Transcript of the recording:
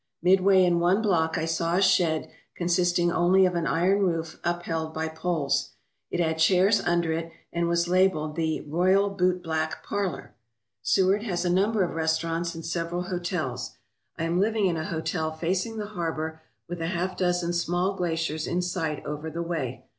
Mid way in one block I saw a shed consisting only of an iron roof upheld by poles. It had chairs under it and was labelled the "Royal Bootblack Parlour." Seward has a number of restaurants and several hotels. I am living in a hotel facing the harbour, with a half dozen small glaciers in sight over the way.